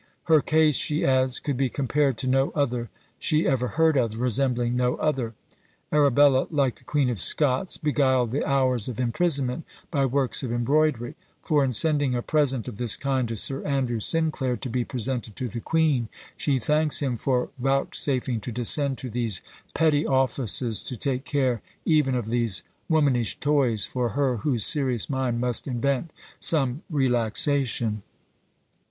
Her case," she adds, "could be compared to no other she ever heard of, resembling no other." Arabella, like the Queen of Scots, beguiled the hours of imprisonment by works of embroidery; for in sending a present of this kind to Sir Andrew Sinclair to be presented to the queen, she thanks him for "vouchsafing to descend to these petty offices to take care even of these womanish toys, for her whose serious mind must invent some relaxation."